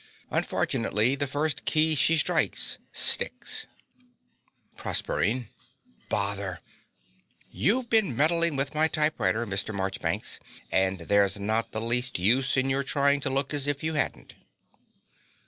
Unfortunately the first key she strikes sticks. PROSERPINE. Bother! You've been meddling with my typewriter, Mr. Marchbanks; and there's not the least use in your trying to look as if you hadn't.